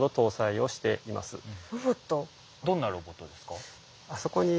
どんなロボットですか？